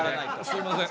すいません。